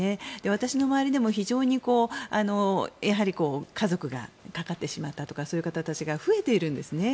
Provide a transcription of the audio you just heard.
私の周りでも非常に家族がかかってしまったとかそういう方たちが増えているんですね。